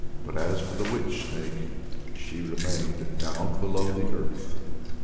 But as for the Witch Snake, she remained down below on earth.